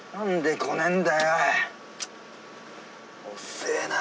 遅えな。